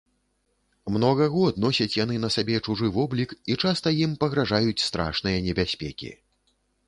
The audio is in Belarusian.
Многа год носяць яны на сабе чужы воблік, і часта ім пагражаюць страшныя небяспекі.